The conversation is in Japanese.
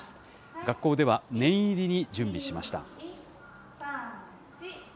学校では念入りに準備しました。